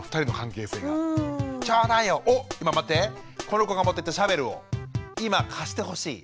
この子が持ってたシャベルを今貸してほしい。